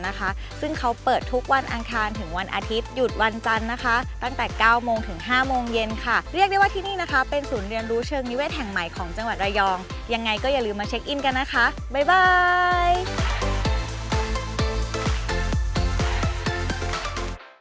นะคะซึ่งเขาเปิดทุกวันอังคารถึงวันอาทิตย์หยุดวันจันทร์นะคะตั้งแต่เก้าโมงถึงห้าโมงเย็นค่ะเรียกได้ว่าที่นี่นะคะเป็นศูนย์เรียนรู้เชิงนิเวศแห่งใหม่ของจังหวัดระยองยังไงก็อย่าลืมมาเช็คอินกันนะคะบ่าย